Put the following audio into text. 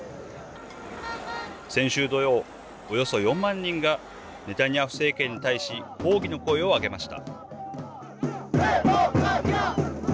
先週土曜およそ４万人がネタニヤフ政権に対し抗議の声を上げました。